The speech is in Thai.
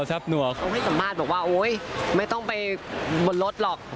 เขาให้สัมภาษณ์บอกว่าโอ๊ยไม่ต้องไปบนรถหรอก